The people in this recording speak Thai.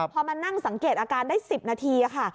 พอมานั่งสังเกตอาการได้๑๐นาทีค่ะ